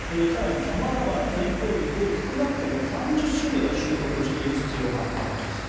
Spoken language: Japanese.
更に様々な戦闘術を少なくとも３０種類は習得している必要があると。